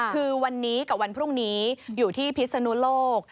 คือวันนี้กับวันพรุ่งนี้อยู่ที่พิศนุโลก